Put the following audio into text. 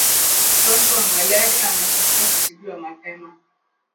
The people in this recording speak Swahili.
mgonjwa wa malaria anatakiwa kutibiwa mapema